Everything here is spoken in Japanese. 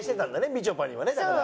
みちょぱにはねだから。